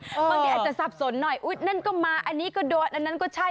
บางทีอาจจะสับสนหน่อยอุ๊ยนั่นก็มาอันนี้ก็โดนอันนั้นก็ใช่